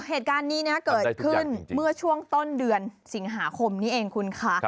เหตุการณ์นี้เกิดขึ้นเมื่อช่วงต้นเดือนสิงหาคมนี้เองคุณคะ